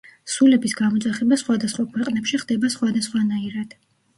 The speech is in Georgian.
სულების გამოძახება სხვადასხვა ქვეყნებში ხდება სხვადასხვანაირად.